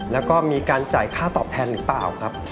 แล้วก็มีการจ่ายค่าตอบแทนหรือเปล่าครับ